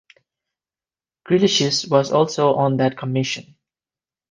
Griliches was also on that commission.